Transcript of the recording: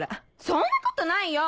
そんなことないよ！